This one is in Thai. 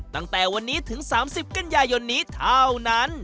ตั้งแต่วันนี้ถึง๓๐กันยายนนี้เท่านั้น